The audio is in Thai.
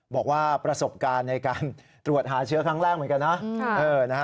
บอกว่าประสบการณ์ในการตรวจหาเชื้อครั้งแรกเหมือนกันนะ